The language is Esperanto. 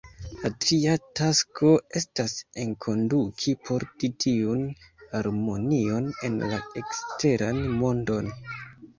La tria tasko estas enkonduki, porti tiun harmonion en la eksteran mondon.